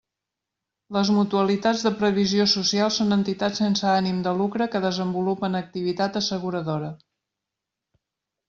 Les mutualitats de previsió social són entitats sense ànim de lucre que desenvolupen activitat asseguradora.